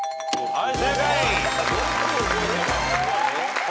はい。